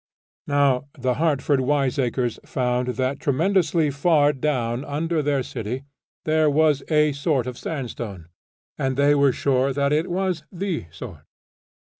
Now the Hartford wiseacres found that tremendously far down under their city, there was a sort of sandstone, and they were sure that it was the sort.